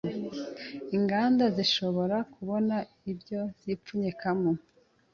inganda zishobora kubona ibyo zipfunyikamo